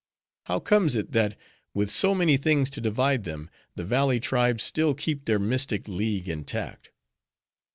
How comes it, that with so Many things to divide them, the valley tribes still keep their mystic league intact?"